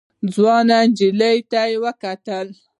ځوان نجلۍ ته وکتل.